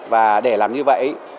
và để làm như vậy